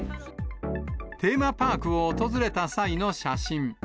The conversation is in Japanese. テーマパークを訪れた際の写真。